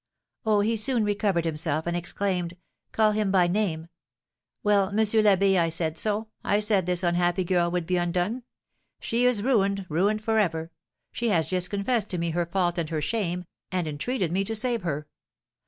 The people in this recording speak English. "Oh, he soon recovered himself, and exclaimed, call him by name, 'Well, Monsieur l'Abbé, I said so, I said this unhappy girl would be undone. She is ruined, ruined for ever; she has just confessed to me her fault and her shame, and entreated me to save her.